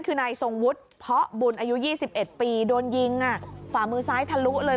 คือนายทรงวุฒิเพาะบุญอายุ๒๑ปีโดนยิงฝ่ามือซ้ายทะลุเลย